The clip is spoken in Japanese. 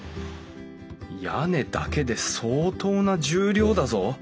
屋根だけで相当な重量だぞ。